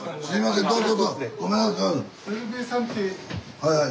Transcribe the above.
はいはい。